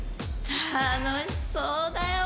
楽しそうだよなあ。